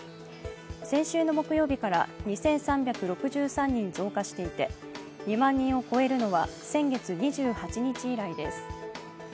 先週の木曜日から２３６３人増加していて、２万人を超えるのは先月２８日以来です。